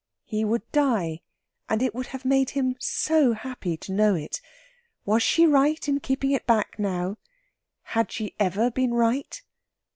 He would die, and it would have made him so happy to know it. Was she right in keeping it back now? Had she ever been right?